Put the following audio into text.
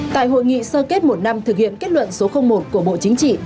tại hội nghị sơ kết một năm thực hiện kết luận số một của bộ chính trị